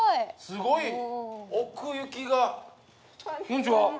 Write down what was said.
すごい奥行きがこんにちは